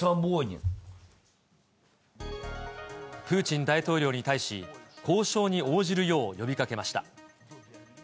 プーチン大統領に対し、交渉に応じるよう呼びかけました。